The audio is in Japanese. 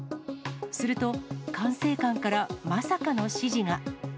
すると、管制官からまさかの指示が。